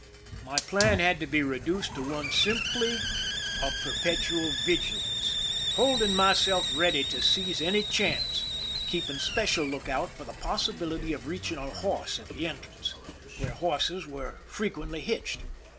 My plan had to be reduced to one simply of perpetual vigilance, holding myself ready to seize any chance, keeping special lookout for the possibility of reaching a horse at the entrance, where horses were frequently hitched.